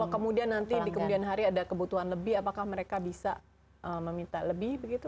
kemudian nanti di kemudian hari ada kebutuhan lebih apakah mereka bisa meminta lebih begitu